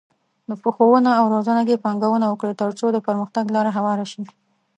په ښوونه او روزنه کې پانګونه وکړئ، ترڅو د پرمختګ لاره هواره شي.